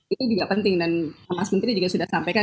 itu juga penting dan mas menteri juga sudah sampaikan